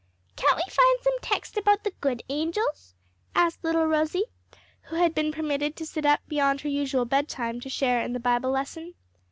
"Can't we find some texts about the good angels?" asked little Rosie, who had been permitted to sit up beyond her usual bedtime to share in the Bible lesson.